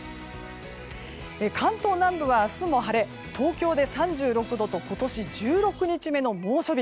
関東南部は明日も晴れ東京で３６度と今年１６日目の猛暑日。